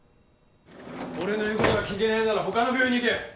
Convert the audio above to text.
俺の言うことが聞けないなら他の病院に行け。